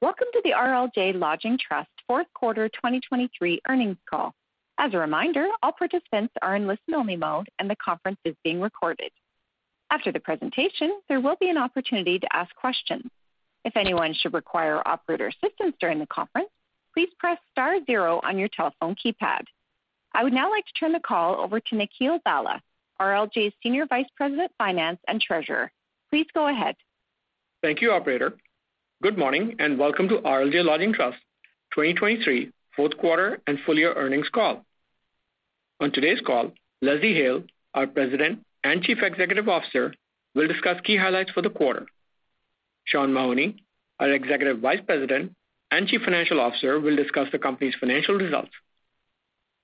Welcome to the RLJ Lodging Trust fourth quarter 2023 earnings call. As a reminder, all participants are in listen-only mode and the conference is being recorded. After the presentation, there will be an opportunity to ask questions. If anyone should require operator assistance during the conference, please press star zero on your telephone keypad. I would now like to turn the call over to Nikhil Bhalla, RLJ's Senior Vice President Finance and Treasurer. Please go ahead. Thank you, Operator. Good morning and welcome to RLJ Lodging Trust 2023 fourth quarter and full year earnings call. On today's call, Leslie Hale, our President and Chief Executive Officer, will discuss key highlights for the quarter. Sean Mahoney, our Executive Vice President and Chief Financial Officer, will discuss the company's financial results.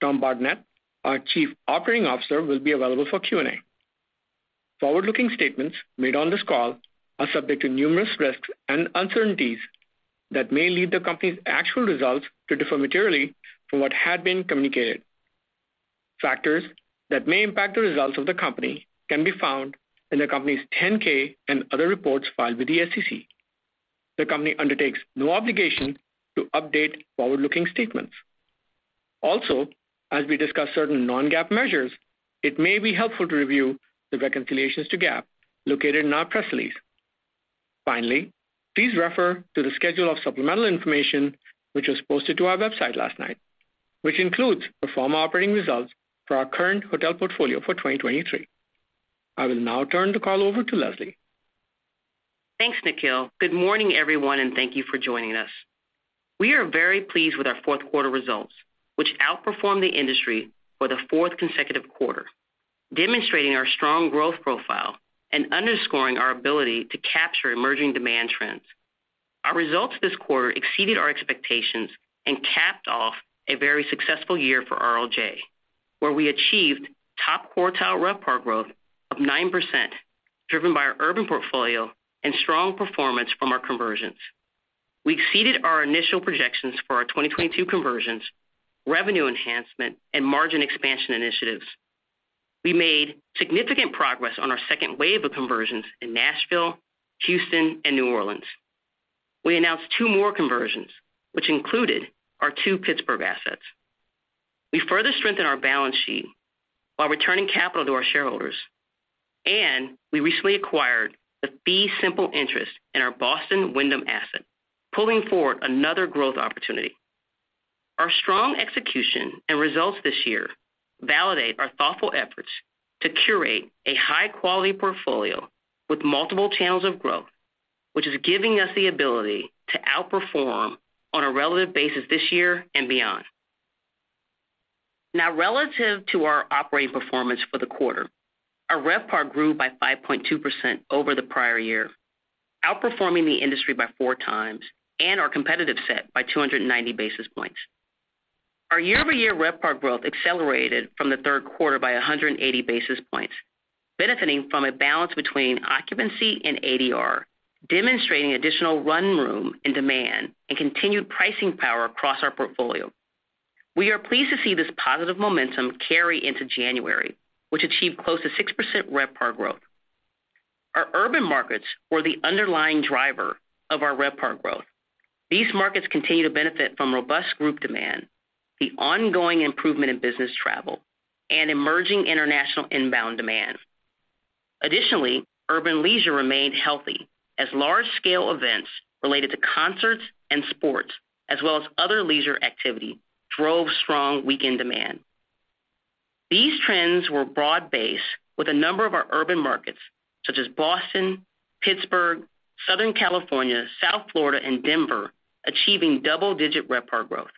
Tom Bardenett, our Chief Operating Officer, will be available for Q&A. Forward-looking statements made on this call are subject to numerous risks and uncertainties that may lead the company's actual results to differ materially from what had been communicated. Factors that may impact the results of the company can be found in the company's 10-K and other reports filed with the SEC. The company undertakes no obligation to update forward-looking statements. Also, as we discuss certain non-GAAP measures, it may be helpful to review the reconciliations to GAAP located in our press release. Finally, please refer to the schedule of supplemental information which was posted to our website last night, which includes the former operating results for our current hotel portfolio for 2023. I will now turn the call over to Leslie. Thanks, Nikhil. Good morning, everyone, and thank you for joining us. We are very pleased with our fourth quarter results, which outperformed the industry for the fourth consecutive quarter, demonstrating our strong growth profile and underscoring our ability to capture emerging demand trends. Our results this quarter exceeded our expectations and capped off a very successful year for RLJ, where we achieved top quartile RevPAR growth of 9% driven by our urban portfolio and strong performance from our conversions. We exceeded our initial projections for our 2022 conversions, revenue enhancement, and margin expansion initiatives. We made significant progress on our second wave of conversions in Nashville, Houston, and New Orleans. We announced two more conversions, which included our two Pittsburgh assets. We further strengthened our balance sheet while returning capital to our shareholders, and we recently acquired the fee simple interest in our Boston Wyndham asset, pulling forward another growth opportunity. Our strong execution and results this year validate our thoughtful efforts to curate a high-quality portfolio with multiple channels of growth, which is giving us the ability to outperform on a relative basis this year and beyond. Now, relative to our operating performance for the quarter, our RevPAR grew by 5.2% over the prior year, outperforming the industry by 4 times and our competitive set by 290 basis points. Our year-over-year RevPAR growth accelerated from the third quarter by 180 basis points, benefiting from a balance between occupancy and ADR, demonstrating additional run room in demand and continued pricing power across our portfolio. We are pleased to see this positive momentum carry into January, which achieved close to 6% RevPAR growth. Our urban markets were the underlying driver of our RevPAR growth. These markets continue to benefit from robust group demand, the ongoing improvement in business travel, and emerging international inbound demand. Additionally, urban leisure remained healthy as large-scale events related to concerts and sports, as well as other leisure activity, drove strong weekend demand. These trends were broad-based with a number of our urban markets, such as Boston, Pittsburgh, Southern California, South Florida, and Denver, achieving double-digit RevPAR growth.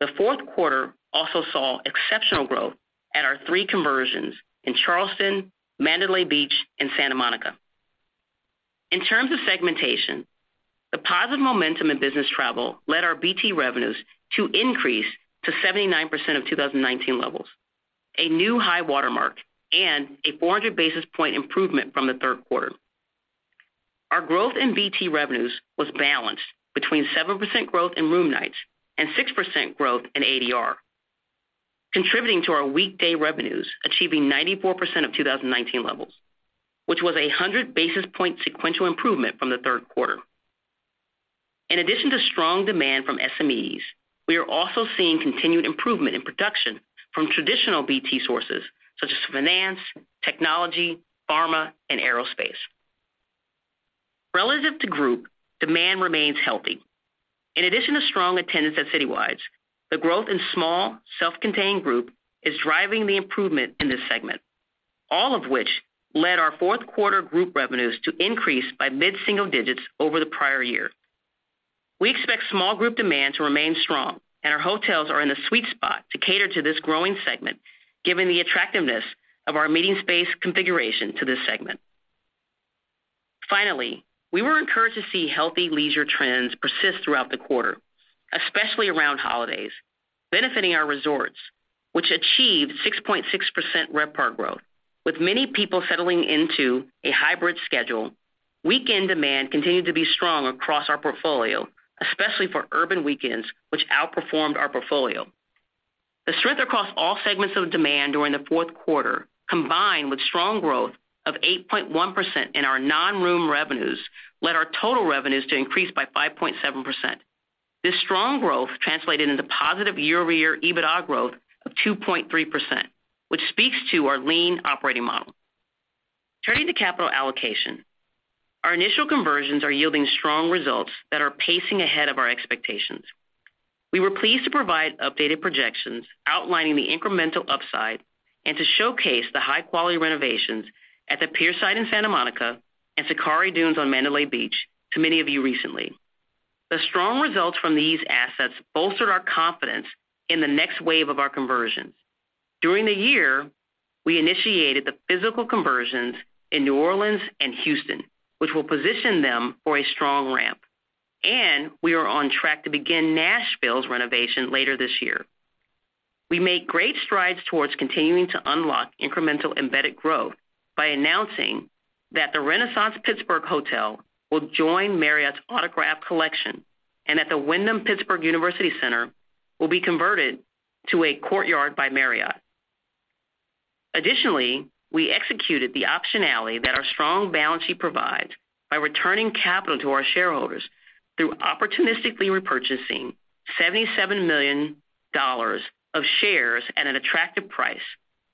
The fourth quarter also saw exceptional growth at our three conversions in Charleston, Mandalay Beach, and Santa Monica. In terms of segmentation, the positive momentum in business travel led our BT revenues to increase to 79% of 2019 levels, a new high watermark, and a 400 basis point improvement from the third quarter. Our growth in BT revenues was balanced between 7% growth in room nights and 6% growth in ADR, contributing to our weekday revenues achieving 94% of 2019 levels, which was a 100 basis point sequential improvement from the third quarter. In addition to strong demand from SMEs, we are also seeing continued improvement in production from traditional BT sources such as finance, technology, pharma, and aerospace. Relative to group, demand remains healthy. In addition to strong attendance at citywide, the growth in small, self-contained group is driving the improvement in this segment, all of which led our fourth quarter group revenues to increase by mid-single digits over the prior year. We expect small group demand to remain strong, and our hotels are in the sweet spot to cater to this growing segment, given the attractiveness of our meeting space configuration to this segment. Finally, we were encouraged to see healthy leisure trends persist throughout the quarter, especially around holidays, benefiting our resorts, which achieved 6.6% RevPAR growth. With many people settling into a hybrid schedule, weekend demand continued to be strong across our portfolio, especially for urban weekends, which outperformed our portfolio. The strength across all segments of demand during the fourth quarter, combined with strong growth of 8.1% in our non-room revenues, led our total revenues to increase by 5.7%. This strong growth translated into positive year-over-year EBITDA growth of 2.3%, which speaks to our lean operating model. Turning to capital allocation, our initial conversions are yielding strong results that are pacing ahead of our expectations. We were pleased to provide updated projections outlining the incremental upside and to showcase the high-quality renovations at the Pierside in Santa Monica and Zachari Dunes on Mandalay Beach to many of you recently. The strong results from these assets bolstered our confidence in the next wave of our conversions. During the year, we initiated the physical conversions in New Orleans and Houston, which will position them for a strong ramp, and we are on track to begin Nashville's renovation later this year. We make great strides towards continuing to unlock incremental embedded growth by announcing that the Renaissance Pittsburgh Hotel will join Marriott's Autograph Collection and that the Wyndham Pittsburgh University Center will be converted to a Courtyard by Marriott. Additionally, we executed the optionality that our strong balance sheet provides by returning capital to our shareholders through opportunistically repurchasing $77 million of shares at an attractive price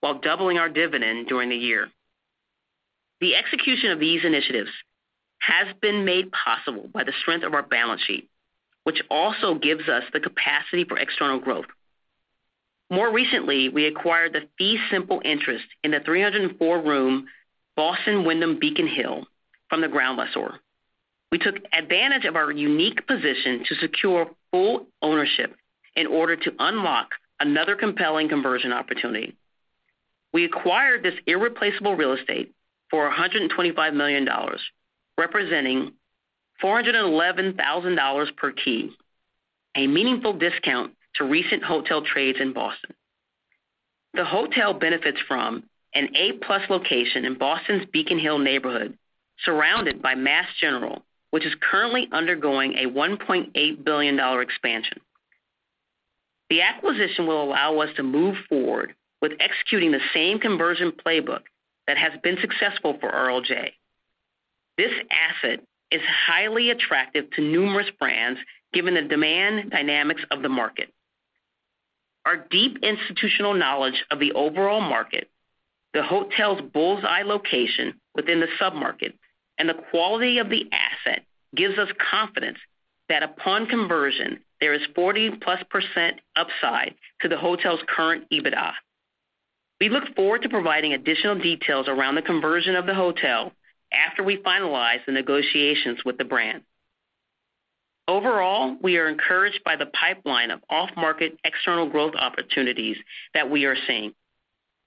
while doubling our dividend during the year. The execution of these initiatives has been made possible by the strength of our balance sheet, which also gives us the capacity for external growth. More recently, we acquired the fee simple interest in the 304-room Boston Wyndham Beacon Hill from the ground lessor. We took advantage of our unique position to secure full ownership in order to unlock another compelling conversion opportunity. We acquired this irreplaceable real estate for $125 million, representing $411,000 per key, a meaningful discount to recent hotel trades in Boston. The hotel benefits from an A-plus location in Boston's Beacon Hill neighborhood, surrounded by Mass General, which is currently undergoing a $1.8 billion expansion. The acquisition will allow us to move forward with executing the same conversion playbook that has been successful for RLJ. This asset is highly attractive to numerous brands, given the demand dynamics of the market. Our deep institutional knowledge of the overall market, the hotel's bull's-eye location within the submarket, and the quality of the asset gives us confidence that upon conversion, there is 40%+ upside to the hotel's current EBITDA. We look forward to providing additional details around the conversion of the hotel after we finalize the negotiations with the brand. Overall, we are encouraged by the pipeline of off-market external growth opportunities that we are seeing.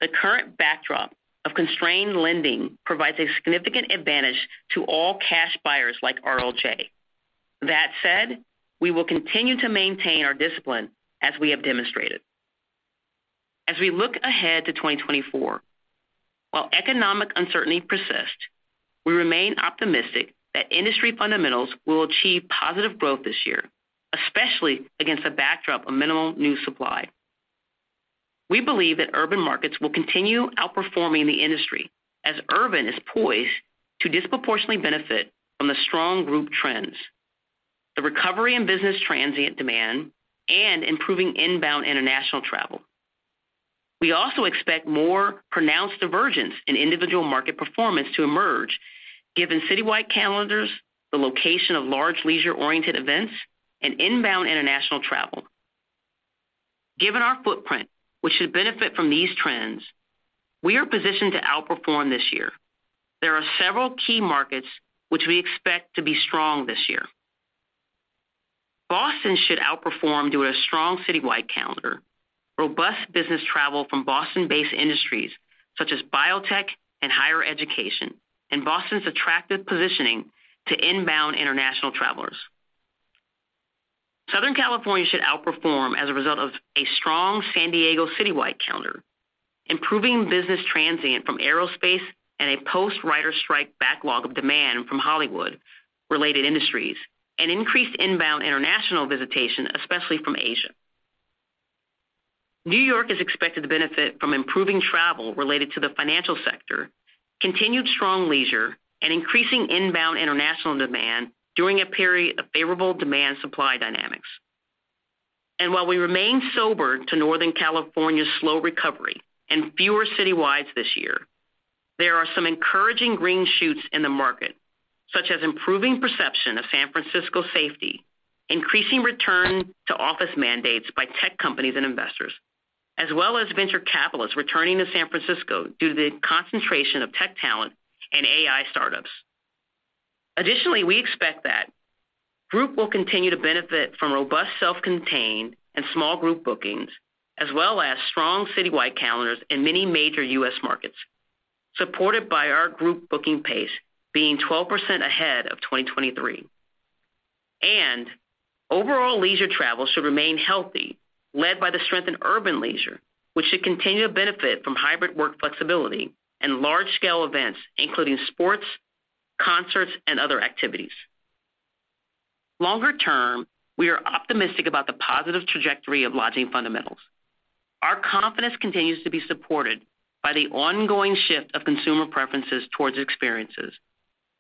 The current backdrop of constrained lending provides a significant advantage to all cash buyers like RLJ. That said, we will continue to maintain our discipline as we have demonstrated. As we look ahead to 2024, while economic uncertainty persists, we remain optimistic that industry fundamentals will achieve positive growth this year, especially against the backdrop of minimal new supply. We believe that urban markets will continue outperforming the industry as urban is poised to disproportionately benefit from the strong group trends, the recovery in business transient demand, and improving inbound international travel. We also expect more pronounced divergence in individual market performance to emerge, given citywide calendars, the location of large leisure-oriented events, and inbound international travel. Given our footprint, which should benefit from these trends, we are positioned to outperform this year. There are several key markets which we expect to be strong this year. Boston should outperform due to a strong citywide calendar, robust business travel from Boston-based industries such as biotech and higher education, and Boston's attractive positioning to inbound international travelers. Southern California should outperform as a result of a strong San Diego citywide calendar, improving business transient from aerospace and a post-Writers' Strike backlog of demand from Hollywood-related industries, and increased inbound international visitation, especially from Asia. New York is expected to benefit from improving travel related to the financial sector, continued strong leisure, and increasing inbound international demand during a period of favorable demand-supply dynamics. While we remain sober to Northern California's slow recovery and fewer citywides this year, there are some encouraging green shoots in the market, such as improving perception of San Francisco safety, increasing return to office mandates by tech companies and investors, as well as venture capitalists returning to San Francisco due to the concentration of tech talent and AI startups. Additionally, we expect that group will continue to benefit from robust self-contained and small group bookings, as well as strong citywide calendars in many major U.S. markets, supported by our group booking pace being 12% ahead of 2023. Overall leisure travel should remain healthy, led by the strength in urban leisure, which should continue to benefit from hybrid work flexibility and large-scale events, including sports, concerts, and other activities. Longer term, we are optimistic about the positive trajectory of lodging fundamentals. Our confidence continues to be supported by the ongoing shift of consumer preferences towards experiences,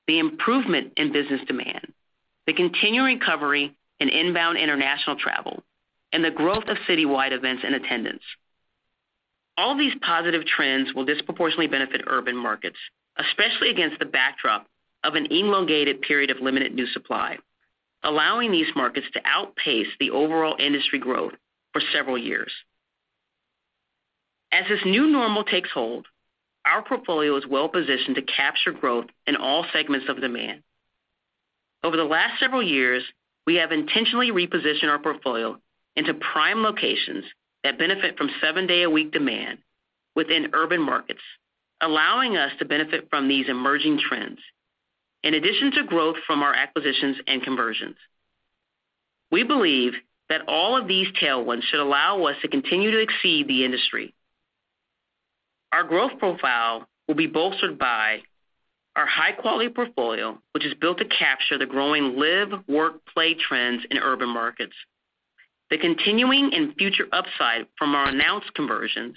the improvement in business demand, the continuing recovery in inbound international travel, and the growth of citywide events and attendance. All of these positive trends will disproportionately benefit urban markets, especially against the backdrop of an elongated period of limited new supply, allowing these markets to outpace the overall industry growth for several years. As this new normal takes hold, our portfolio is well positioned to capture growth in all segments of demand. Over the last several years, we have intentionally repositioned our portfolio into prime locations that benefit from seven-day-a-week demand within urban markets, allowing us to benefit from these emerging trends, in addition to growth from our acquisitions and conversions. We believe that all of these tailwinds should allow us to continue to exceed the industry. Our growth profile will be bolstered by our high-quality portfolio, which is built to capture the growing live, work, play trends in urban markets, the continuing and future upside from our announced conversions,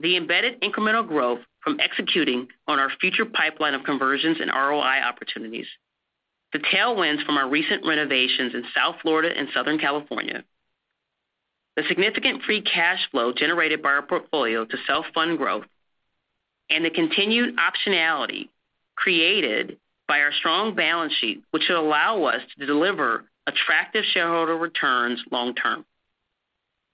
the embedded incremental growth from executing on our future pipeline of conversions and ROI opportunities, the tailwinds from our recent renovations in South Florida and Southern California, the significant free cash flow generated by our portfolio to self-fund growth, and the continued optionality created by our strong balance sheet, which should allow us to deliver attractive shareholder returns long term.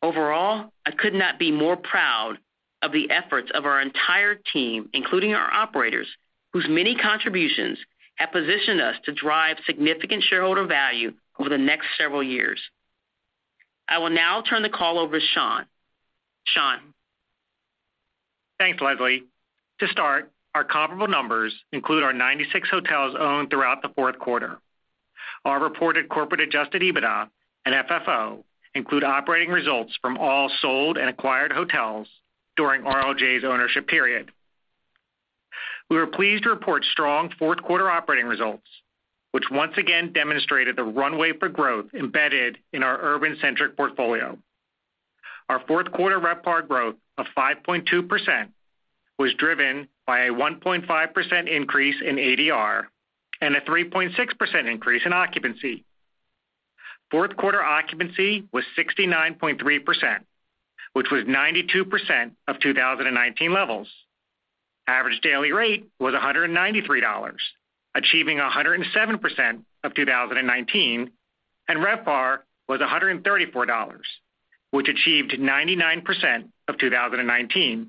Overall, I could not be more proud of the efforts of our entire team, including our operators, whose many contributions have positioned us to drive significant shareholder value over the next several years. I will now turn the call over to Sean. Sean. Thanks, Leslie. To start, our comparable numbers include our 96 hotels owned throughout the fourth quarter. Our reported corporate adjusted EBITDA and FFO include operating results from all sold and acquired hotels during RLJ's ownership period. We were pleased to report strong fourth-quarter operating results, which once again demonstrated the runway for growth embedded in our urban-centric portfolio. Our fourth-quarter RevPAR growth of 5.2% was driven by a 1.5% increase in ADR and a 3.6% increase in occupancy. Fourth-quarter occupancy was 69.3%, which was 92% of 2019 levels. Average daily rate was $193, achieving 107% of 2019, and RevPAR was $134, which achieved 99% of 2019,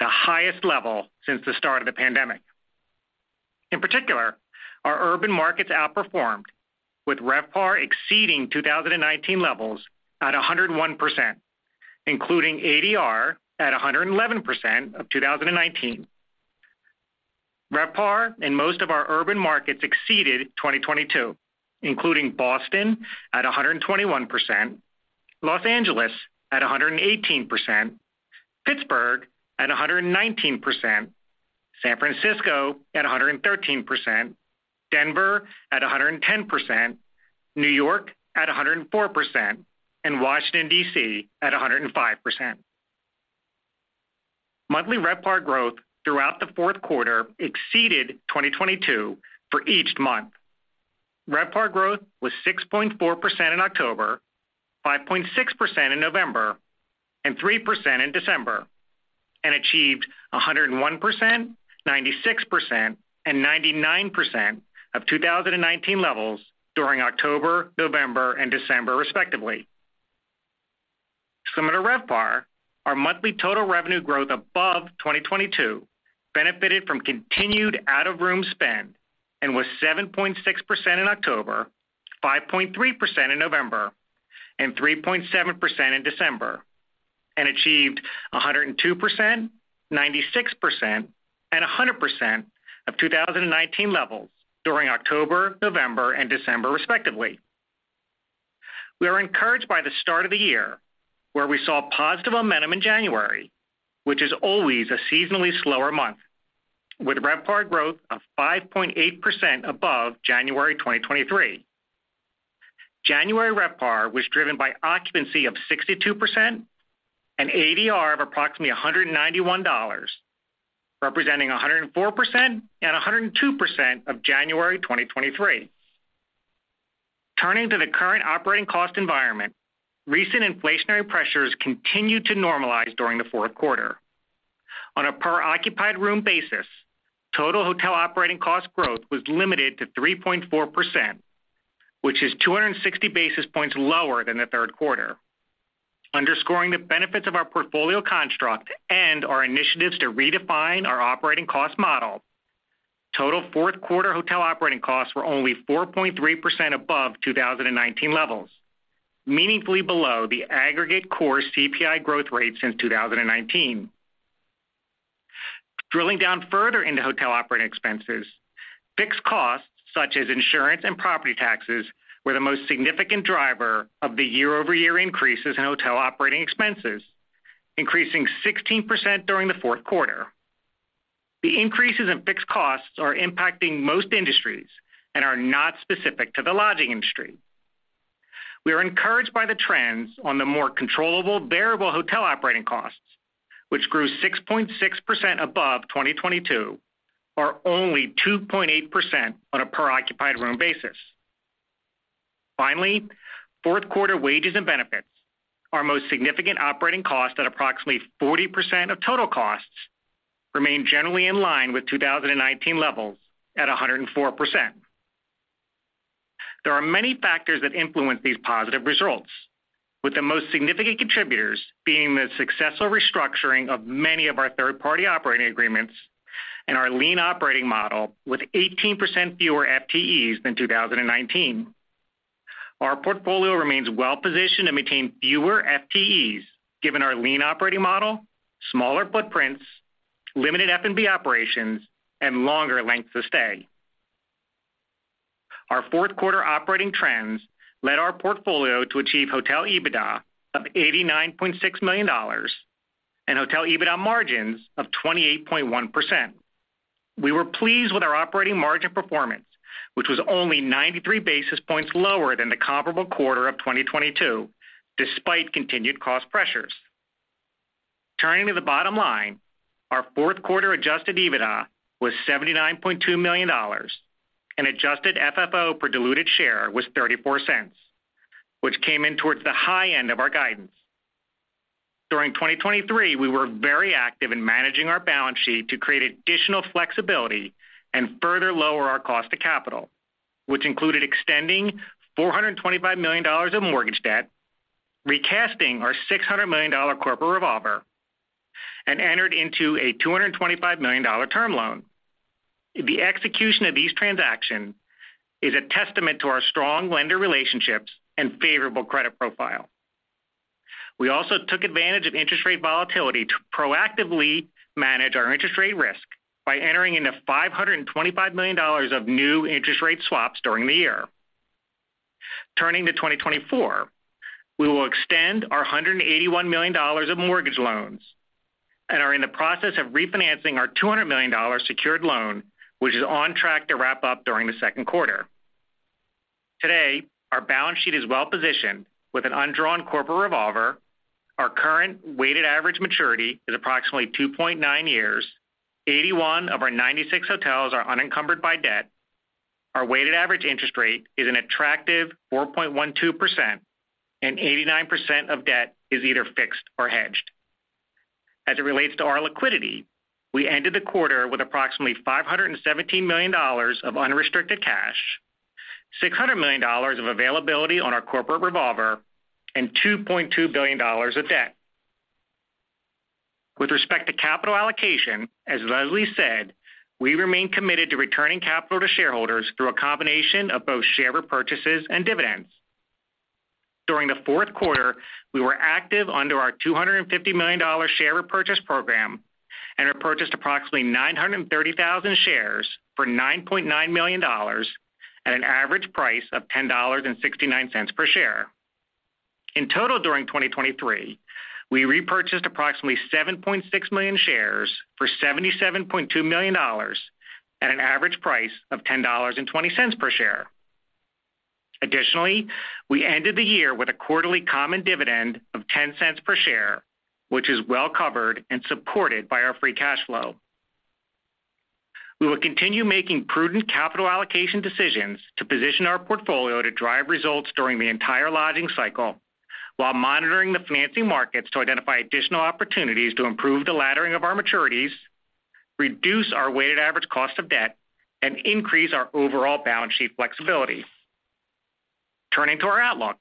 the highest level since the start of the pandemic. In particular, our urban markets outperformed, with RevPAR exceeding 2019 levels at 101%, including ADR at 111% of 2019. RevPAR in most of our urban markets exceeded 2022, including Boston at 121%, Los Angeles at 118%, Pittsburgh at 119%, San Francisco at 113%, Denver at 110%, New York at 104%, and Washington, D.C. at 105%. Monthly RevPAR growth throughout the fourth quarter exceeded 2022 for each month. RevPAR growth was 6.4% in October, 5.6% in November, and 3% in December, and achieved 101%, 96%, and 99% of 2019 levels during October, November, and December, respectively. Similar to RevPAR, our monthly total revenue growth above 2022 benefited from continued out-of-room spend and was 7.6% in October, 5.3% in November, and 3.7% in December, and achieved 102%, 96%, and 100% of 2019 levels during October, November, and December, respectively. We are encouraged by the start of the year, where we saw positive momentum in January, which is always a seasonally slower month, with RevPAR growth of 5.8% above January 2023. January RevPAR was driven by occupancy of 62% and ADR of approximately $191, representing 104% and 102% of January 2023. Turning to the current operating cost environment, recent inflationary pressures continued to normalize during the fourth quarter. On a per-occupied room basis, total hotel operating cost growth was limited to 3.4%, which is 260 basis points lower than the third quarter. Underscoring the benefits of our portfolio construct and our initiatives to redefine our operating cost model, total fourth-quarter hotel operating costs were only 4.3% above 2019 levels, meaningfully below the aggregate core CPI growth rate since 2019. Drilling down further into hotel operating expenses, fixed costs such as insurance and property taxes were the most significant driver of the year-over-year increases in hotel operating expenses, increasing 16% during the fourth quarter. The increases in fixed costs are impacting most industries and are not specific to the lodging industry. We are encouraged by the trends on the more controllable variable hotel operating costs, which grew 6.6% above 2022, or only 2.8% on a per-occupied room basis. Finally, fourth-quarter wages and benefits, our most significant operating cost at approximately 40% of total costs, remain generally in line with 2019 levels at 104%. There are many factors that influence these positive results, with the most significant contributors being the successful restructuring of many of our third-party operating agreements and our lean operating model with 18% fewer FTEs than 2019. Our portfolio remains well positioned to maintain fewer FTEs, given our lean operating model, smaller footprints, limited F&B operations, and longer lengths of stay. Our fourth-quarter operating trends led our portfolio to achieve hotel EBITDA of $89.6 million and hotel EBITDA margins of 28.1%. We were pleased with our operating margin performance, which was only 93 basis points lower than the comparable quarter of 2022, despite continued cost pressures. Turning to the bottom line, our fourth-quarter adjusted EBITDA was $79.2 million, and adjusted FFO per diluted share was $0.34, which came in towards the high end of our guidance. During 2023, we were very active in managing our balance sheet to create additional flexibility and further lower our cost of capital, which included extending $425 million of mortgage debt, recasting our $600 million corporate revolver, and entering into a $225 million term loan. The execution of these transactions is a testament to our strong lender relationships and favorable credit profile. We also took advantage of interest rate volatility to proactively manage our interest rate risk by entering into $525 million of new interest rate swaps during the year. Turning to 2024, we will extend our $181 million of mortgage loans and are in the process of refinancing our $200 million secured loan, which is on track to wrap up during the second quarter. Today, our balance sheet is well positioned with an undrawn corporate revolver. Our current weighted average maturity is approximately 2.9 years. 81 of our 96 hotels are unencumbered by debt. Our weighted average interest rate is an attractive 4.12%, and 89% of debt is either fixed or hedged. As it relates to our liquidity, we ended the quarter with approximately $517 million of unrestricted cash, $600 million of availability on our corporate revolver, and $2.2 billion of debt. With respect to capital allocation, as Leslie said, we remain committed to returning capital to shareholders through a combination of both share repurchases and dividends. During the fourth quarter, we were active under our $250 million share repurchase program and repurchased approximately 930,000 shares for $9.9 million at an average price of $10.69 per share. In total, during 2023, we repurchased approximately 7.6 million shares for $77.2 million at an average price of $10.20 per share. Additionally, we ended the year with a quarterly common dividend of $0.10 per share, which is well covered and supported by our free cash flow. We will continue making prudent capital allocation decisions to position our portfolio to drive results during the entire lodging cycle while monitoring the financing markets to identify additional opportunities to improve the laddering of our maturities, reduce our weighted average cost of debt, and increase our overall balance sheet flexibility. Turning to our outlook,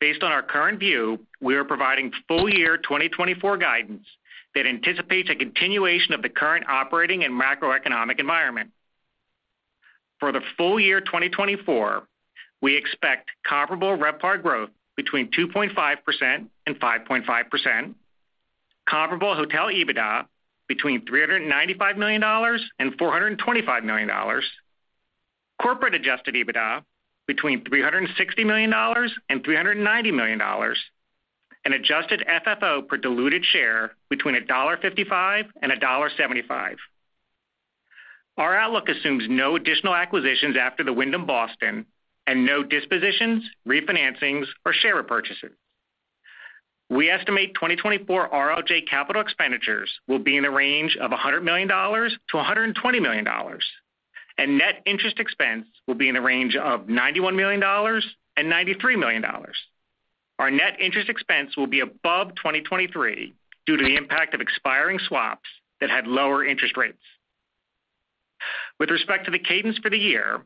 based on our current view, we are providing full-year 2024 guidance that anticipates a continuation of the current operating and macroeconomic environment. For the full year 2024, we expect comparable RevPAR growth between 2.5%-5.5%, comparable hotel EBITDA between $395 million-$425 million, corporate adjusted EBITDA between $360 million-$390 million, and adjusted FFO per diluted share between $1.55-$1.75. Our outlook assumes no additional acquisitions after the Wyndham Boston and no dispositions, refinancings, or share repurchases. We estimate 2024 RLJ capital expenditures will be in the range of $100 million-$120 million, and net interest expense will be in the range of $91 million-$93 million. Our net interest expense will be above 2023 due to the impact of expiring swaps that had lower interest rates. With respect to the cadence for the year,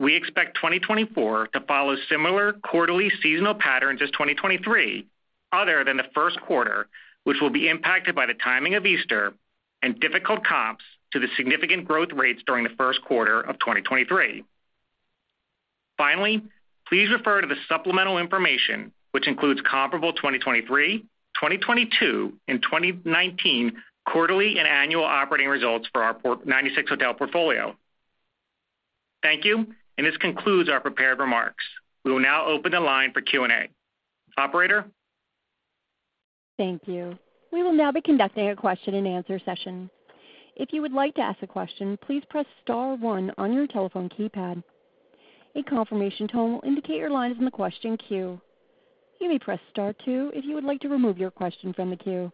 we expect 2024 to follow similar quarterly seasonal patterns as 2023, other than the first quarter, which will be impacted by the timing of Easter and difficult comps to the significant growth rates during the first quarter of 2023. Finally, please refer to the supplemental information, which includes comparable 2023, 2022, and 2019 quarterly and annual operating results for our 96 hotel portfolio. Thank you, and this concludes our prepared remarks. We will now open the line for Q&A. Operator. Thank you. We will now be conducting a question-and-answer session. If you would like to ask a question, please press star star on your telephone keypad. A confirmation tone will indicate your line is in the question queue. You may press star two if you would like to remove your question from the queue.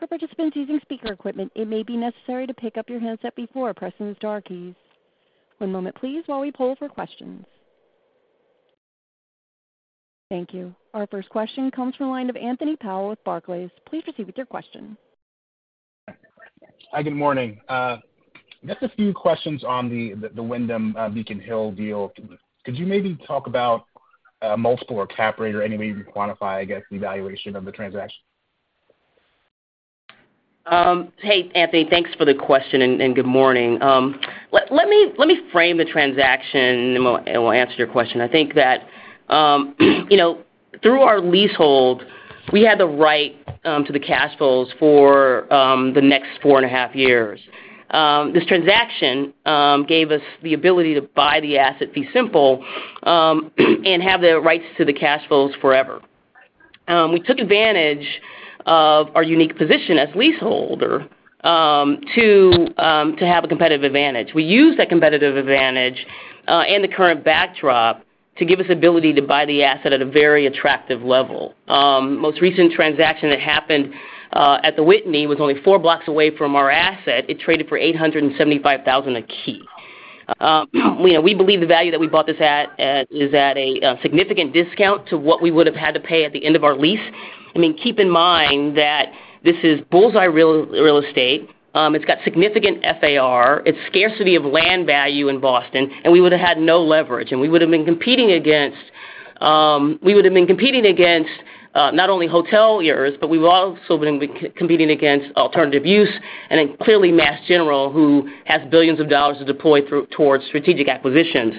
For participants using speaker equipment, it may be necessary to pick up your handset before pressing the star keys. One moment, please, while we pull for questions. Thank you. Our first question comes from a line of Anthony Powell with Barclays. Please proceed with your question. Hi, good morning. Just a few questions on the Wyndham Beacon Hill deal. Could you maybe talk about multiple or cap rate or any way you can quantify, I guess, the valuation of the transaction? Hey, Anthony. Thanks for the question and good morning. Let me frame the transaction and I'll answer your question. I think that through our leasehold, we had the right to the cash flows for the next 4.5 years. This transaction gave us the ability to buy the asset fee simple and have the rights to the cash flows forever. We took advantage of our unique position as leaseholder to have a competitive advantage. We used that competitive advantage and the current backdrop to give us the ability to buy the asset at a very attractive level. Most recent transaction that happened at the Whitney was only 4 blocks away from our asset. It traded for $875,000 a key. We believe the value that we bought this at is at a significant discount to what we would have had to pay at the end of our lease. I mean, keep in mind that this is bullseye real estate. It's got significant FAR. It's scarcity of land value in Boston, and we would have had no leverage. And we would have been competing against not only hoteliers, but we would also have been competing against alternative use and then clearly Mass General, who has billions of dollars to deploy towards strategic acquisitions.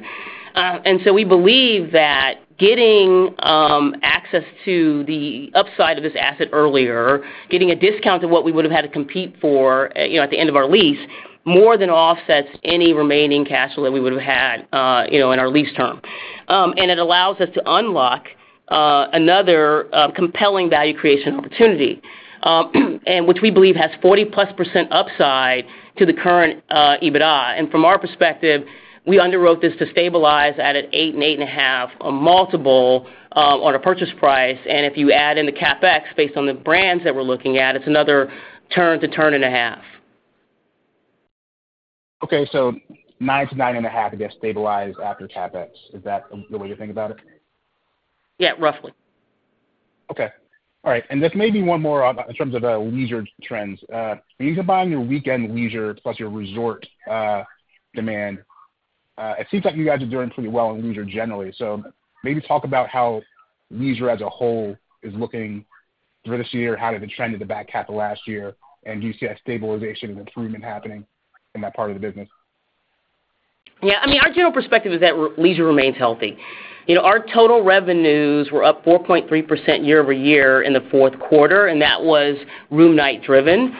And so we believe that getting access to the upside of this asset earlier, getting a discount to what we would have had to compete for at the end of our lease, more than offsets any remaining cash flow that we would have had in our lease term. And it allows us to unlock another compelling value creation opportunity, which we believe has 40%+ upside to the current EBITDA. From our perspective, we underwrote this to stabilize at an 8x-8.5x multiple on a purchase price. If you add in the CapEx based on the brands that we're looking at, it's another 2x-2.5x. Okay. So 9-9.5, I guess, stabilized after CapEx. Is that the way to think about it? Yeah, roughly. Okay. All right. This may be one more in terms of leisure trends. When you combine your weekend leisure plus your resort demand, it seems like you guys are doing pretty well in leisure generally. So maybe talk about how leisure as a whole is looking through this year, how did it trend to the back half of last year, and do you see that stabilization and improvement happening in that part of the business? Yeah. I mean, our general perspective is that leisure remains healthy. Our total revenues were up 4.3% year-over-year in the fourth quarter, and that was room-night driven.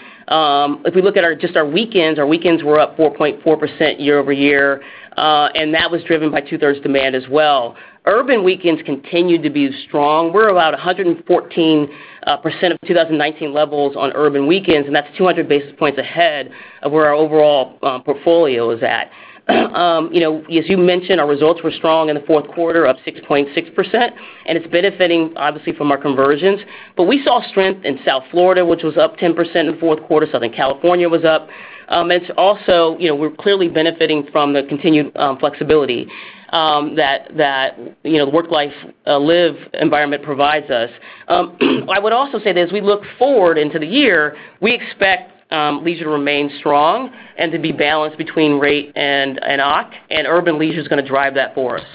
If we look at just our weekends, our weekends were up 4.4% year-over-year, and that was driven by two-thirds demand as well. Urban weekends continued to be strong. We're about 114% of 2019 levels on urban weekends, and that's 200 basis points ahead of where our overall portfolio is at. As you mentioned, our results were strong in the fourth quarter, up 6.6%, and it's benefiting, obviously, from our conversions. But we saw strength in South Florida, which was up 10% in the fourth quarter. Southern California was up. And also, we're clearly benefiting from the continued flexibility that the work-life environment provides us. I would also say that as we look forward into the year, we expect leisure to remain strong and to be balanced between rate and OC, and urban leisure is going to drive that for us.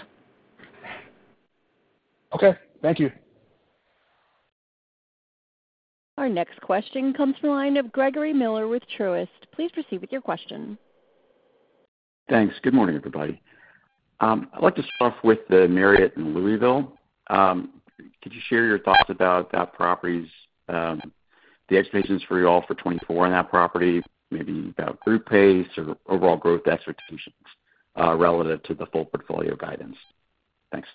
Okay. Thank you. Our next question comes from a line of Gregory Miller with Truist. Please proceed with your question. Thanks. Good morning, everybody. I'd like to start off with the Marriott in Louisville. Could you share your thoughts about that property, the expectations for you all for 2024 on that property, maybe about group pace or overall growth expectations relative to the full portfolio guidance? Thanks.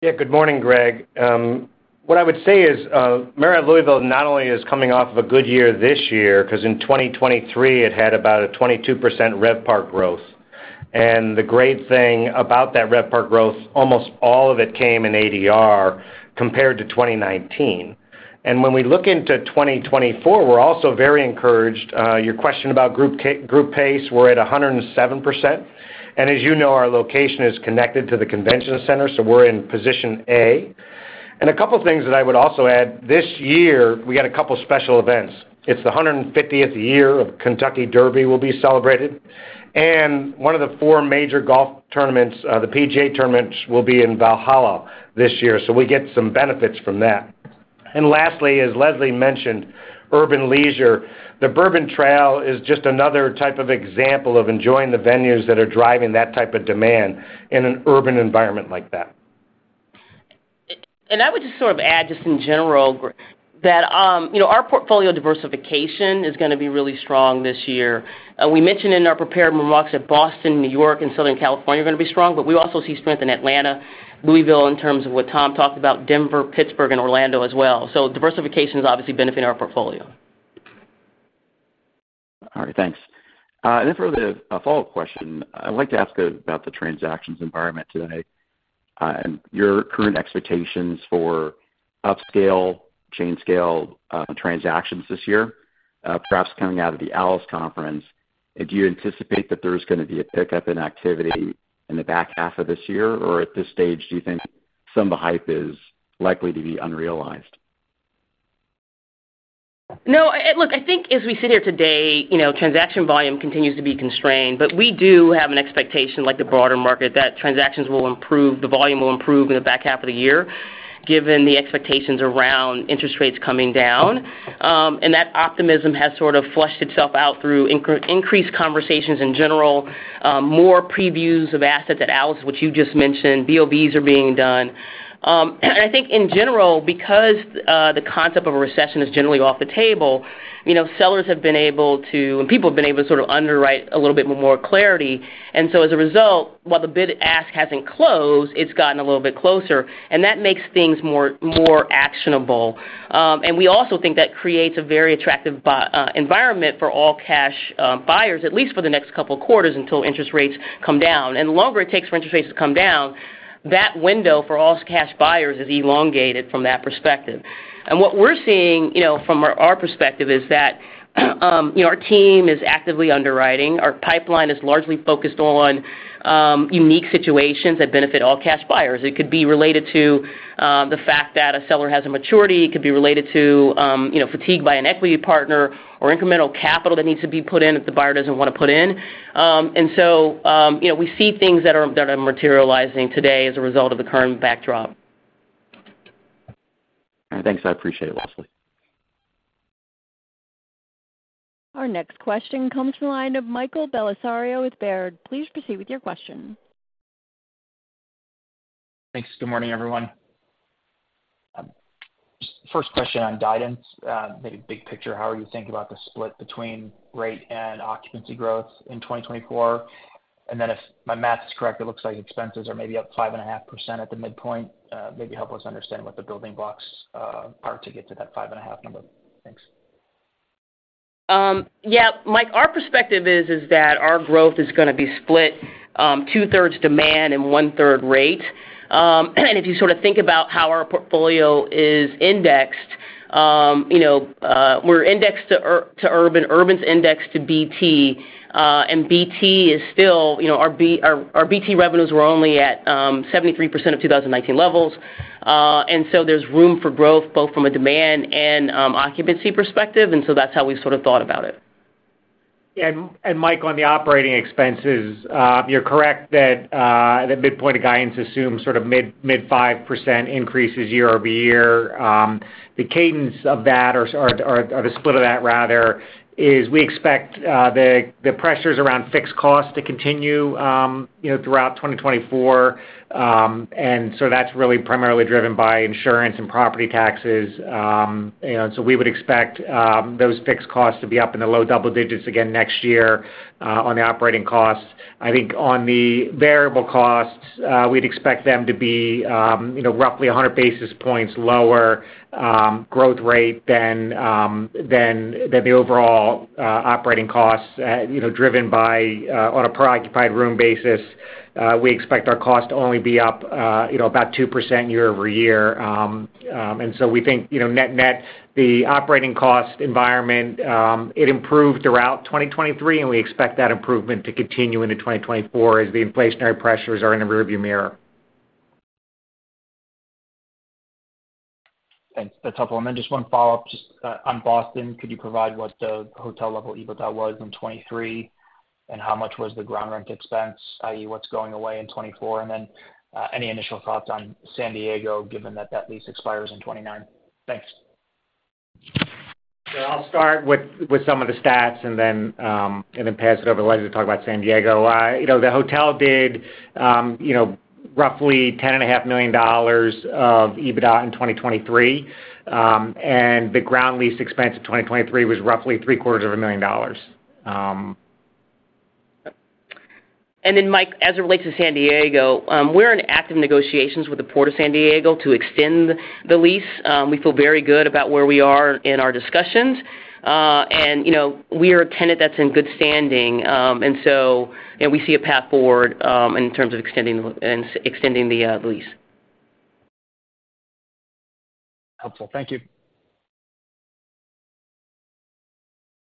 Yeah. Good morning, Greg. What I would say is Marriott Louisville not only is coming off of a good year this year because in 2023, it had about a 22% RevPAR growth. The great thing about that RevPAR growth, almost all of it came in ADR compared to 2019. When we look into 2024, we're also very encouraged. Your question about group pace, we're at 107%. As you know, our location is connected to the convention center, so we're in position A. A couple of things that I would also add, this year, we got a couple of special events. It's the 150th year of Kentucky Derby will be celebrated. One of the four major golf tournaments, the PGA tournament, will be in Valhalla this year, so we get some benefits from that. Lastly, as Leslie mentioned, urban leisure, the Bourbon Trail is just another type of example of enjoying the venues that are driving that type of demand in an urban environment like that. I would just sort of add, just in general, that our portfolio diversification is going to be really strong this year. We mentioned in our prepared remarks that Boston, New York, and Southern California are going to be strong, but we also see strength in Atlanta, Louisville, in terms of what Tom talked about, Denver, Pittsburgh, and Orlando as well. Diversification is obviously benefiting our portfolio. All right. Thanks. And then for the follow-up question, I'd like to ask about the transactions environment today and your current expectations for upscale, chain-scale transactions this year. Perhaps coming out of the ALIS Conference, do you anticipate that there's going to be a pickup in activity in the back half of this year, or at this stage, do you think some of the hype is likely to be unrealized? No. Look, I think as we sit here today, transaction volume continues to be constrained, but we do have an expectation, like the broader market, that transactions will improve, the volume will improve in the back half of the year given the expectations around interest rates coming down. And that optimism has sort of fleshed itself out through increased conversations in general, more previews of assets at ALIS, which you just mentioned, BOVs are being done. And I think, in general, because the concept of a recession is generally off the table, sellers have been able to and people have been able to sort of underwrite a little bit more clarity. And so as a result, while the bid-ask hasn't closed, it's gotten a little bit closer, and that makes things more actionable. We also think that creates a very attractive environment for all cash buyers, at least for the next couple of quarters until interest rates come down. The longer it takes for interest rates to come down, that window for all cash buyers is elongated from that perspective. What we're seeing from our perspective is that our team is actively underwriting. Our pipeline is largely focused on unique situations that benefit all cash buyers. It could be related to the fact that a seller has a maturity. It could be related to fatigue by an equity partner or incremental capital that needs to be put in that the buyer doesn't want to put in. And so we see things that are materializing today as a result of the current backdrop. All right. Thanks. I appreciate it, Leslie. Our next question comes from a line of Michael Bellisario with Baird. Please proceed with your question. Thanks. Good morning, everyone. First question on guidance, maybe big picture, how are you thinking about the split between rate and occupancy growth in 2024? And then if my math is correct, it looks like expenses are maybe up 5.5% at the midpoint. Maybe help us understand what the building blocks are to get to that 5.5 number. Thanks. Yeah. Mike, our perspective is that our growth is going to be split two-thirds demand and one-third rate. And if you sort of think about how our portfolio is indexed, we're indexed to urban, urban's indexed to BT, and BT is still, our BT revenues were only at 73% of 2019 levels. And so there's room for growth both from a demand and occupancy perspective, and so that's how we've sort of thought about it. Yeah. And Mike, on the operating expenses, you're correct that the midpoint of guidance assumes sort of mid-5% increases year-over-year. The cadence of that or the split of that, rather, is we expect the pressures around fixed costs to continue throughout 2024, and so that's really primarily driven by insurance and property taxes. And so we would expect those fixed costs to be up in the low double digits again next year on the operating costs. I think on the variable costs, we'd expect them to be roughly 100 basis points lower growth rate than the overall operating costs driven by on a per occupied room basis. We expect our costs to only be up about 2% year-over-year. And so we think, net-net, the operating cost environment, it improved throughout 2023, and we expect that improvement to continue into 2024 as the inflationary pressures are in a rearview mirror. Thanks. That's helpful. And then just one follow-up. On Boston, could you provide what the hotel-level EBITDA was in 2023 and how much was the ground rent expense, i.e., what's going away in 2024? And then any initial thoughts on San Diego given that that lease expires in 2029? Thanks. I'll start with some of the stats and then pass it over to Leslie to talk about San Diego. The hotel did roughly $10.5 million of EBITDA in 2023, and the ground lease expense of 2023 was roughly $750,000. And then, Mike, as it relates to San Diego, we're in active negotiations with the Port of San Diego to extend the lease. We feel very good about where we are in our discussions. And we are a tenant that's in good standing, and so we see a path forward in terms of extending the lease. Helpful. Thank you.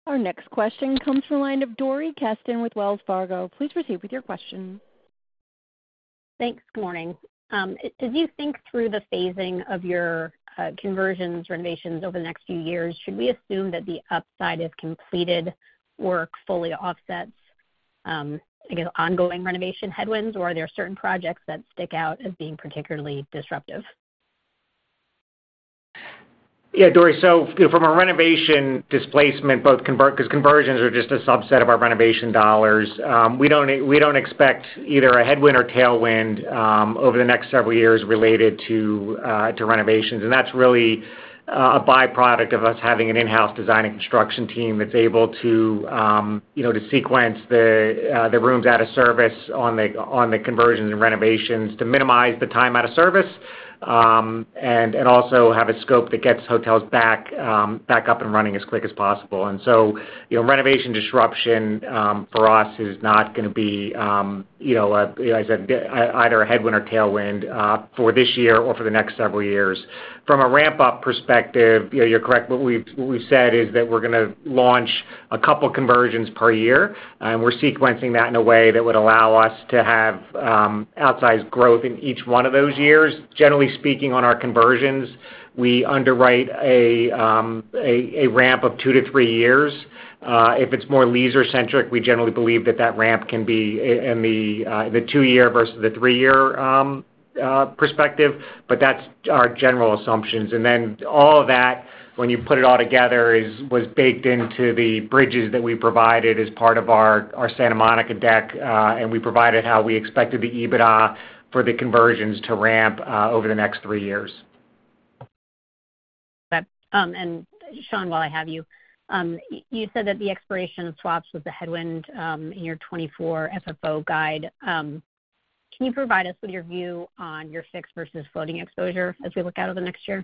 Our next question comes from a line of Dori Kesten with Wells Fargo. Please proceed with your question. Thanks. Good morning. As you think through the phasing of your conversions, renovations over the next few years, should we assume that the upside of completed work fully offsets, I guess, ongoing renovation headwinds, or are there certain projects that stick out as being particularly disruptive? Yeah, Dori. So from a renovation displacement, because conversions are just a subset of our renovation dollars, we don't expect either a headwind or tailwind over the next several years related to renovations. And that's really a byproduct of us having an in-house design and construction team that's able to sequence the rooms out of service on the conversions and renovations to minimize the time out of service and also have a scope that gets hotels back up and running as quick as possible. And so renovation disruption for us is not going to be, as I said, either a headwind or tailwind for this year or for the next several years. From a ramp-up perspective, you're correct. What we've said is that we're going to launch a couple of conversions per year, and we're sequencing that in a way that would allow us to have outsized growth in each one of those years. Generally speaking, on our conversions, we underwrite a ramp of 2-3 years. If it's more leisure-centric, we generally believe that that ramp can be in the 2-year versus the 3-year perspective, but that's our general assumptions. And then all of that, when you put it all together, was baked into the bridges that we provided as part of our Santa Monica deck, and we provided how we expected the EBITDA for the conversions to ramp over the next 3 years. Sean, while I have you, you said that the expiration of swaps was the headwind in your 2024 FFO guide. Can you provide us with your view on your fixed versus floating exposure as we look out over the next year?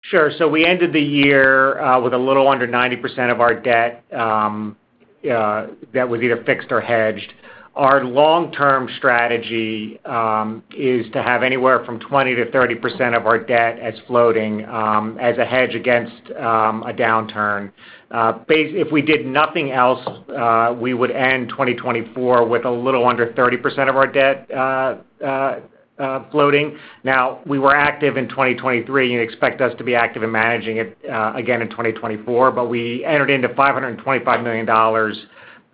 Sure. So we ended the year with a little under 90% of our debt that was either fixed or hedged. Our long-term strategy is to have anywhere from 20%-30% of our debt as floating as a hedge against a downturn. If we did nothing else, we would end 2024 with a little under 30% of our debt floating. Now, we were active in 2023. You'd expect us to be active in managing it again in 2024, but we entered into $525 million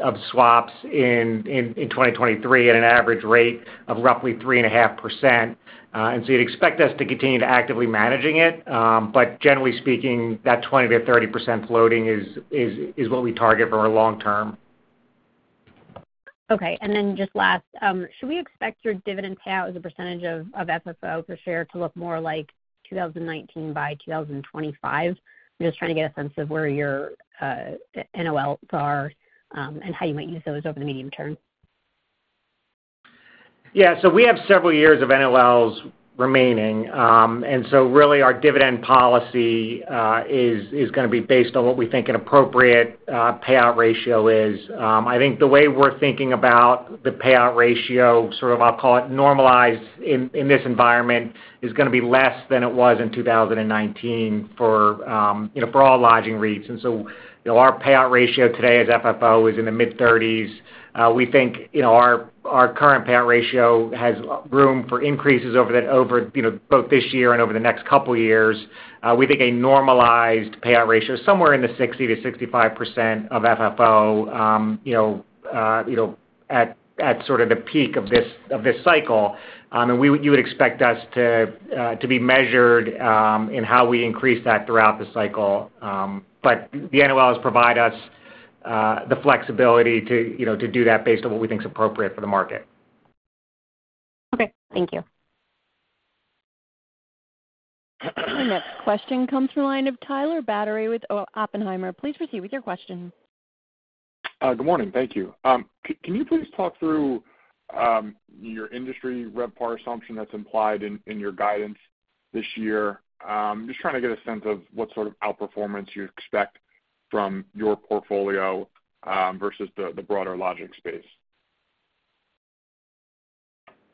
of swaps in 2023 at an average rate of roughly 3.5%. And so you'd expect us to continue actively managing it, but generally speaking, that 20%-30% floating is what we target for our long term. Okay. Then just last, should we expect your dividend payout as a percentage of FFO per share to look more like 2019 by 2025? I'm just trying to get a sense of where your NOLs are and how you might use those over the medium term. Yeah. So we have several years of NOLs remaining, and so really, our dividend policy is going to be based on what we think an appropriate payout ratio is. I think the way we're thinking about the payout ratio, sort of I'll call it normalized in this environment, is going to be less than it was in 2019 for all lodging REITs. And so our payout ratio today as FFO is in the mid-30s. We think our current payout ratio has room for increases over both this year and over the next couple of years. We think a normalized payout ratio is somewhere in the 60%-65% of FFO at sort of the peak of this cycle. And you would expect us to be measured in how we increase that throughout the cycle. But the NOLs provide us the flexibility to do that based on what we think's appropriate for the market. Okay. Thank you. Our next question comes from a line of Tyler Batory with Oppenheimer. Please proceed with your question. Good morning. Thank you. Can you please talk through your industry RevPAR assumption that's implied in your guidance this year? Just trying to get a sense of what sort of outperformance you expect from your portfolio versus the broader lodging space.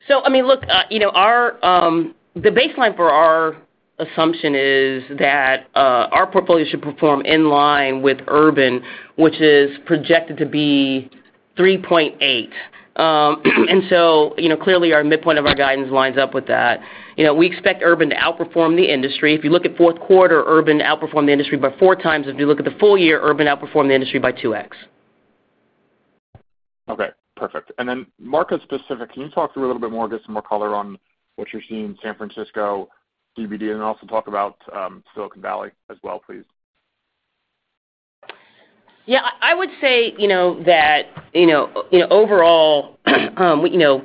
So, I mean, look, the baseline for our assumption is that our portfolio should perform in line with urban, which is projected to be 3.8. And so clearly, our midpoint of our guidance lines up with that. We expect urban to outperform the industry. If you look at fourth quarter, urban outperform the industry by 4x. If you look at the full year, urban outperform the industry by 2x. Okay. Perfect. And then market-specific, can you talk through a little bit more, get some more color on what you're seeing in San Francisco, CBD, and then also talk about Silicon Valley as well, please? Yeah. I would say that overall,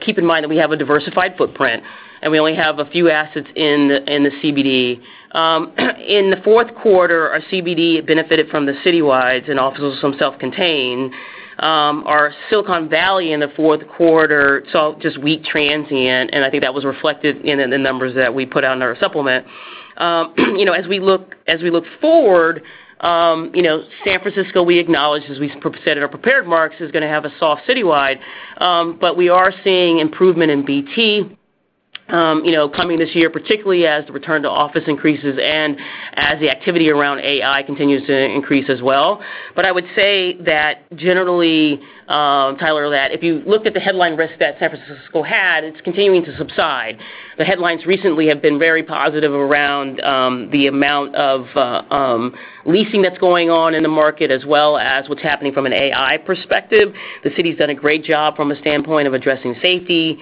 keep in mind that we have a diversified footprint, and we only have a few assets in the CBD. In the fourth quarter, our CBD benefited from the citywides and offers some self-contained. Our Silicon Valley in the fourth quarter saw just weak transient, and I think that was reflected in the numbers that we put out in our supplement. As we look forward, San Francisco, we acknowledge, as we set in our prepared marks, is going to have a soft citywide, but we are seeing improvement in BT coming this year, particularly as the return to office increases and as the activity around AI continues to increase as well. But I would say that generally, Tyler, that if you look at the headline risk that San Francisco had, it's continuing to subside. The headlines recently have been very positive around the amount of leasing that's going on in the market as well as what's happening from an AI perspective. The city's done a great job from a standpoint of addressing safety.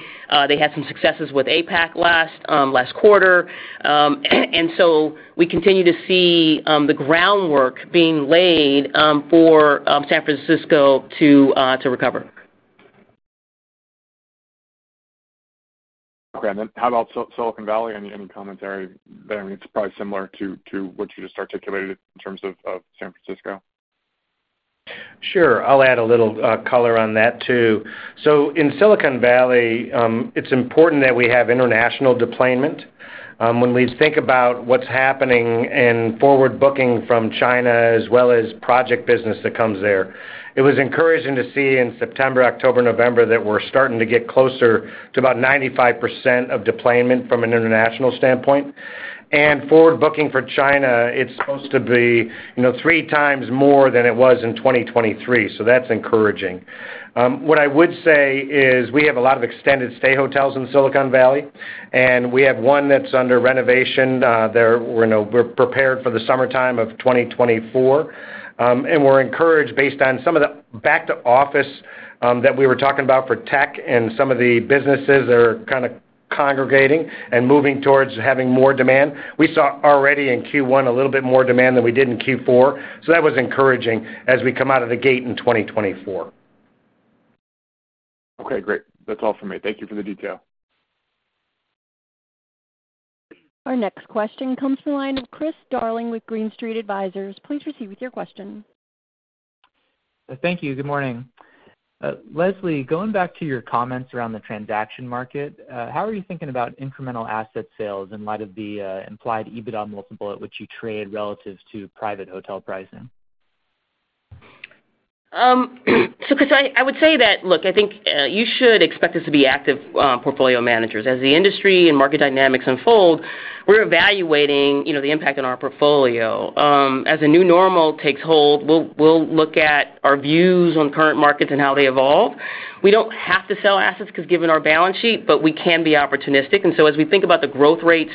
They had some successes with APEC last quarter. And so we continue to see the groundwork being laid for San Francisco to recover. Okay. How about Silicon Valley? Any commentary there? I mean, it's probably similar to what you just articulated in terms of San Francisco. Sure. I'll add a little color on that too. So in Silicon Valley, it's important that we have international deployment. When we think about what's happening and forward booking from China as well as project business that comes there, it was encouraging to see in September, October, November that we're starting to get closer to about 95% of deployment from an international standpoint. And forward booking for China, it's supposed to be three times more than it was in 2023, so that's encouraging. What I would say is we have a lot of extended stay hotels in Silicon Valley, and we have one that's under renovation. We're prepared for the summertime of 2024, and we're encouraged based on some of the back-to-office that we were talking about for tech and some of the businesses that are kind of congregating and moving towards having more demand. We saw already in Q1 a little bit more demand than we did in Q4, so that was encouraging as we come out of the gate in 2024. Okay. Great. That's all from me. Thank you for the detail. Our next question comes from a line of Chris Darling with Green Street Advisors. Please proceed with your question. Thank you. Good morning. Leslie, going back to your comments around the transaction market, how are you thinking about incremental asset sales in light of the implied EBITDA multiple at which you trade relative to private hotel pricing? So, Chris, I would say that, look, I think you should expect us to be active portfolio managers. As the industry and market dynamics unfold, we're evaluating the impact on our portfolio. As a new normal takes hold, we'll look at our views on current markets and how they evolve. We don't have to sell assets because given our balance sheet, but we can be opportunistic. And so as we think about the growth rates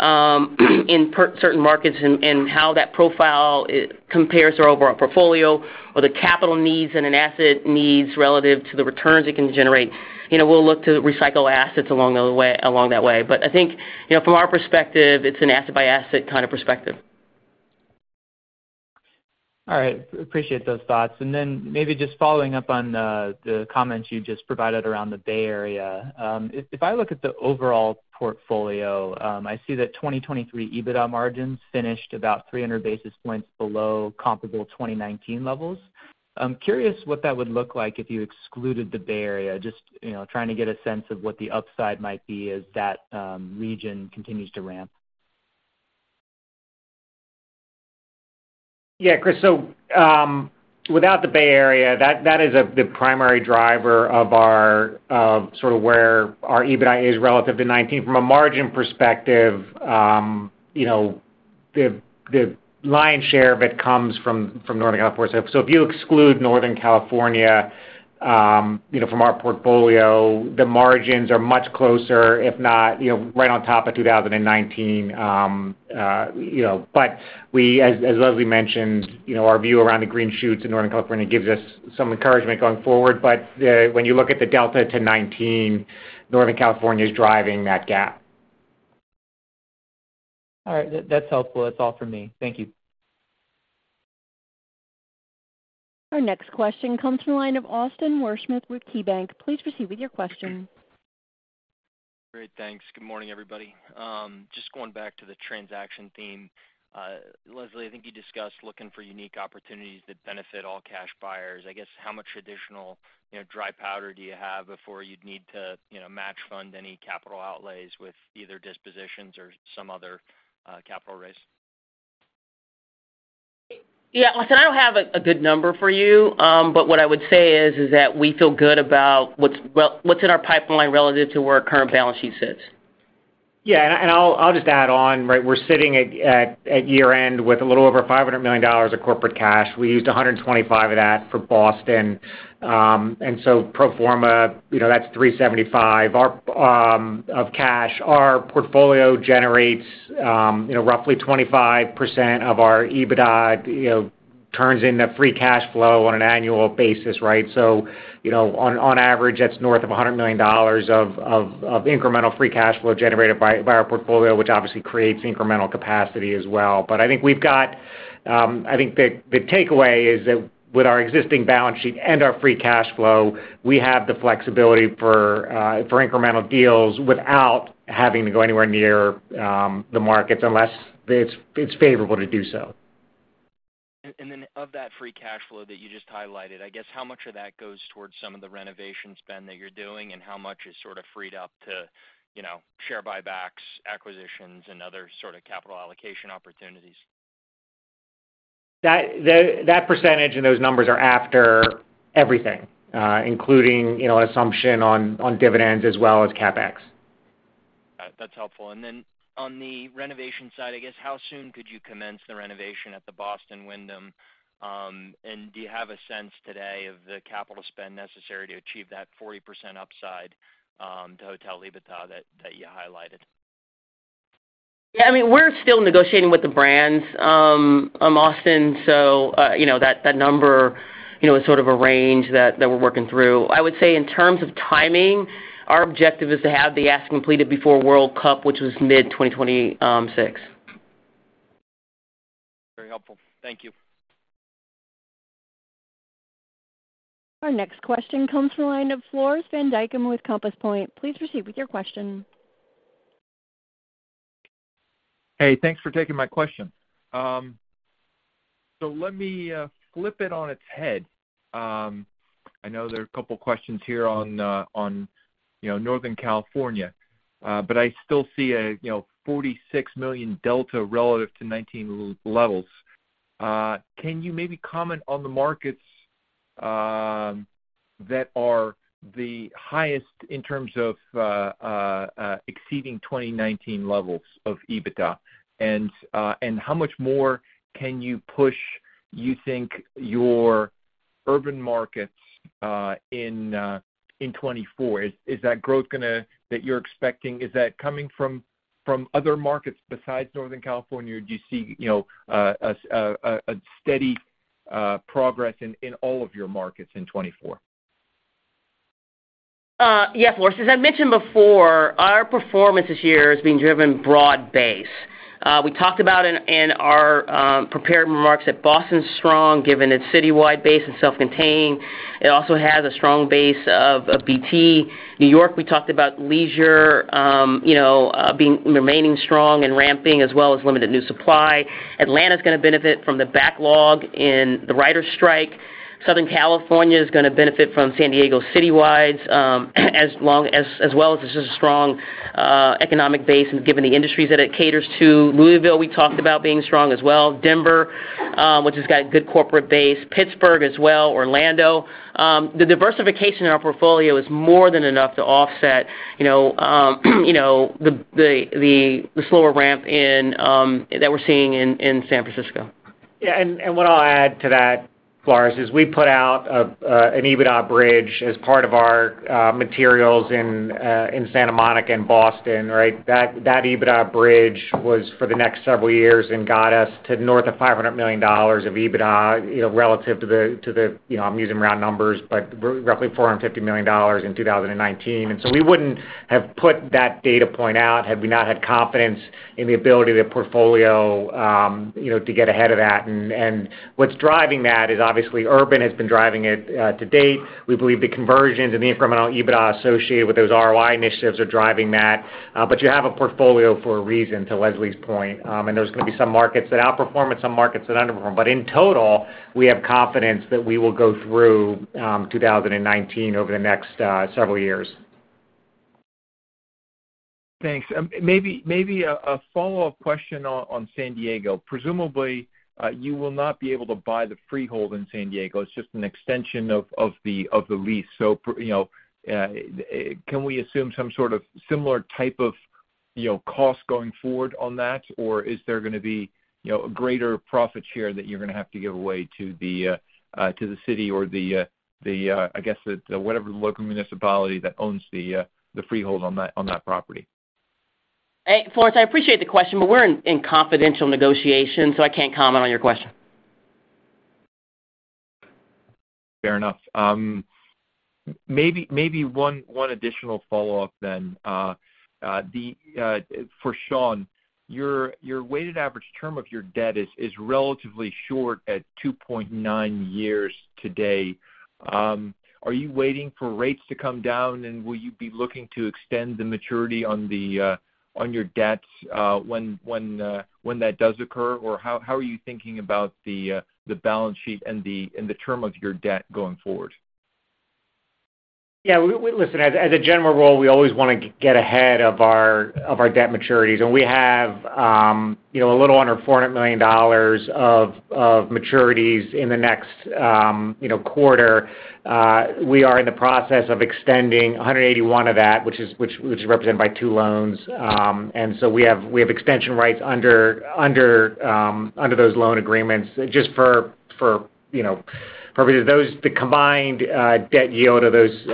in certain markets and how that profile compares to our overall portfolio or the capital needs and an asset needs relative to the returns it can generate, we'll look to recycle assets along that way. But I think from our perspective, it's an asset-by-asset kind of perspective. All right. Appreciate those thoughts. And then maybe just following up on the comments you just provided around the Bay Area, if I look at the overall portfolio, I see that 2023 EBITDA margins finished about 300 basis points below comparable 2019 levels. Curious what that would look like if you excluded the Bay Area, just trying to get a sense of what the upside might be as that region continues to ramp. Yeah, Chris. So without the Bay Area, that is the primary driver of sort of where our EBITDA is relative to 2019. From a margin perspective, the lion's share of it comes from Northern California. So if you exclude Northern California from our portfolio, the margins are much closer, if not right on top of 2019. But as Leslie mentioned, our view around the green shoots in Northern California gives us some encouragement going forward. But when you look at the delta to 2019, Northern California is driving that gap. All right. That's helpful. That's all from me. Thank you. Our next question comes from a line of Austin Wurschmidt with KeyBanc. Please proceed with your question. Great. Thanks. Good morning, everybody. Just going back to the transaction theme, Leslie, I think you discussed looking for unique opportunities that benefit all cash buyers. I guess how much additional dry powder do you have before you'd need to match-fund any capital outlays with either dispositions or some other capital raise? Yeah. Like I said, I don't have a good number for you, but what I would say is that we feel good about what's in our pipeline relative to where our current balance sheet sits. Yeah. And I'll just add on, right? We're sitting at year-end with a little over $500 million of corporate cash. We used $125 million of that for Boston. And so pro forma, that's $375 million of cash. Our portfolio generates roughly 25% of our EBITDA, turns in the free cash flow on an annual basis, right? So on average, that's north of $100 million of incremental free cash flow generated by our portfolio, which obviously creates incremental capacity as well. But I think we've got I think the takeaway is that with our existing balance sheet and our free cash flow, we have the flexibility for incremental deals without having to go anywhere near the markets unless it's favorable to do so. And then of that free cash flow that you just highlighted, I guess how much of that goes towards some of the renovation spend that you're doing, and how much is sort of freed up to share buybacks, acquisitions, and other sort of capital allocation opportunities? That percentage and those numbers are after everything, including an assumption on dividends as well as CapEx. That's helpful. And then on the renovation side, I guess how soon could you commence the renovation at the Boston Wyndham? And do you have a sense today of the capital spend necessary to achieve that 40% upside to Hotel EBITDA that you highlighted? Yeah. I mean, we're still negotiating with the brands of Boston, so that number is sort of a range that we're working through. I would say in terms of timing, our objective is to have the ask completed before World Cup, which was mid-2026. Very helpful. Thank you. Our next question comes from a line of Floris van Dijkum with Compass Point. Please proceed with your question. Hey. Thanks for taking my question. So let me flip it on its head. I know there are a couple of questions here on Northern California, but I still see a $46 million delta relative to 2019 levels. Can you maybe comment on the markets that are the highest in terms of exceeding 2019 levels of EBITDA, and how much more can you push, you think, your urban markets in 2024? Is that growth that you're expecting, is that coming from other markets besides Northern California? Or do you see a steady progress in all of your markets in 2024? Yeah, Floris. As I mentioned before, our performance this year has been driven broad-based. We talked about in our prepared remarks that Boston's strong given its citywide base and self-contained. It also has a strong base of BT. New York, we talked about leisure remaining strong and ramping as well as limited new supply. Atlanta's going to benefit from the backlog in the writer's strike. Southern California is going to benefit from San Diego citywides as well as it's just a strong economic base given the industries that it caters to. Louisville, we talked about being strong as well. Denver, which has got a good corporate base. Pittsburgh as well, Orlando. The diversification in our portfolio is more than enough to offset the slower ramp that we're seeing in San Francisco. Yeah. And what I'll add to that, Floris, is we put out an EBITDA bridge as part of our materials in Santa Monica and Boston, right? That EBITDA bridge was for the next several years and got us to north of $500 million of EBITDA relative to the I'm using round numbers, but roughly $450 million in 2019. And so we wouldn't have put that data point out had we not had confidence in the ability of the portfolio to get ahead of that. And what's driving that is obviously urban has been driving it to date. We believe the conversions and the incremental EBITDA associated with those ROI initiatives are driving that. But you have a portfolio for a reason, to Leslie's point. And there's going to be some markets that outperform and some markets that underperform. In total, we have confidence that we will go through 2019 over the next several years. Thanks. Maybe a follow-up question on San Diego. Presumably, you will not be able to buy the freehold in San Diego. It's just an extension of the lease. So can we assume some sort of similar type of cost going forward on that, or is there going to be a greater profit share that you're going to have to give away to the city or the, I guess, whatever local municipality that owns the freehold on that property? Floris, I appreciate the question, but we're in confidential negotiations, so I can't comment on your question. Fair enough. Maybe one additional follow-up then. For Sean, your weighted average term of your debt is relatively short at 2.9 years today. Are you waiting for rates to come down, and will you be looking to extend the maturity on your debts when that does occur? Or how are you thinking about the balance sheet and the term of your debt going forward? Yeah. Listen, as a general rule, we always want to get ahead of our debt maturities. We have a little under $400 million of maturities in the next quarter. We are in the process of extending $181 million of that, which is represented by two loans. We have extension rights under those loan agreements just for purposes. The combined debt yield of those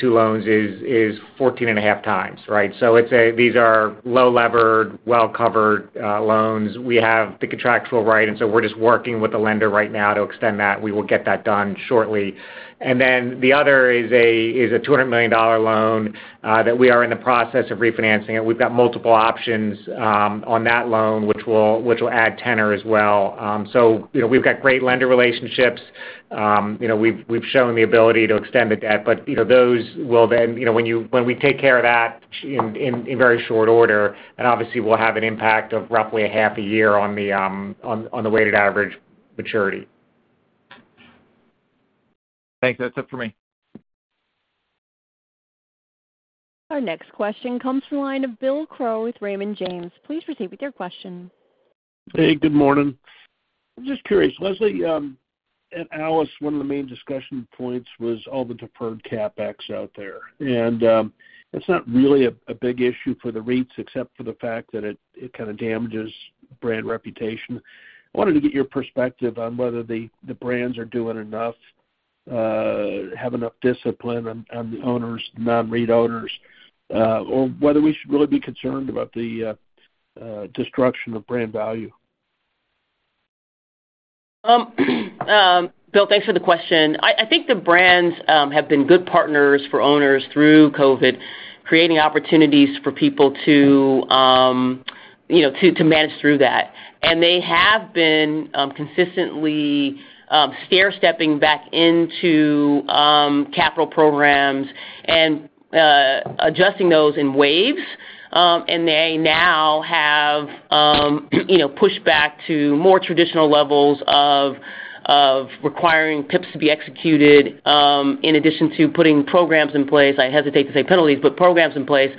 two loans is 14.5x, right? These are low-levered, well-covered loans. We have the contractual right, and so we're just working with the lender right now to extend that. We will get that done shortly. The other is a $200 million loan that we are in the process of refinancing. We've got multiple options on that loan, which will add tenor as well. We've got great lender relationships. We've shown the ability to extend the debt, but those will then when we take care of that in very short order, and obviously, we'll have an impact of roughly half a year on the weighted average maturity. Thanks. That's it for me. Our next question comes from a line of Bill Crow with Raymond James. Please proceed with your question. Hey. Good morning. I'm just curious. Leslie, at ALIS, one of the main discussion points was all the deferred CapEx out there. It's not really a big issue for the REITs except for the fact that it kind of damages brand reputation. I wanted to get your perspective on whether the brands are doing enough, have enough discipline on the non-REIT owners, or whether we should really be concerned about the destruction of brand value. Bill, thanks for the question. I think the brands have been good partners for owners through COVID, creating opportunities for people to manage through that. They have been consistently stair-stepping back into capital programs and adjusting those in waves. They now have pushed back to more traditional levels of requiring PIPs to be executed in addition to putting programs in place, I hesitate to say penalties, but, programs in place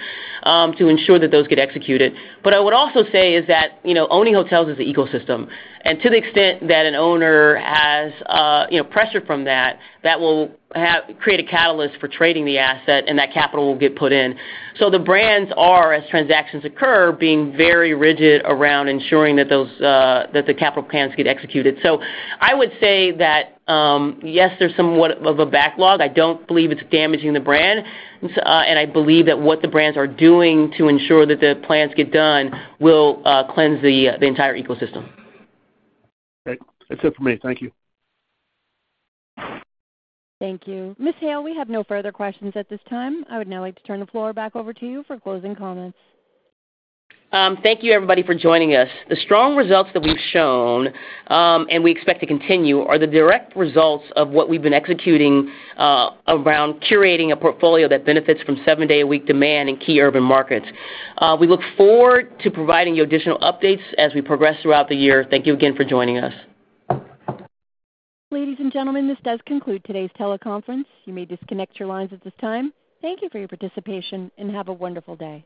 to ensure that those get executed. I would also say is that owning hotels is an ecosystem. To the extent that an owner has pressure from that, that will create a catalyst for trading the asset, and that capital will get put in. The brands are, as transactions occur, being very rigid around ensuring that the capital plans get executed. I would say that, yes, there's somewhat of a backlog. I don't believe it's damaging the brand. I believe that what the brands are doing to ensure that the plans get done will cleanse the entire ecosystem. Great. That's it for me. Thank you. Thank you. Ms. Hale, we have no further questions at this time. I would now like to turn the floor back over to you for closing comments. Thank you, everybody, for joining us. The strong results that we've shown, and we expect to continue, are the direct results of what we've been executing around curating a portfolio that benefits from seven-day-a-week demand in key urban markets. We look forward to providing you additional updates as we progress throughout the year. Thank you again for joining us. Ladies and gentlemen, this does conclude today's teleconference. You may disconnect your lines at this time. Thank you for your participation, and have a wonderful day.